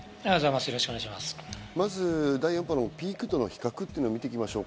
まず第４波のピークとの比較を見ていきましょう。